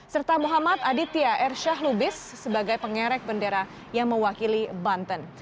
serta muhammad aditya rsyahlubis sebagai pengerek bendera yang mewakili banten